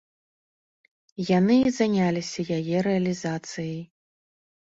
Яны і заняліся яе рэалізацыяй.